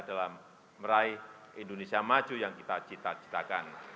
dalam meraih indonesia maju yang kita cita citakan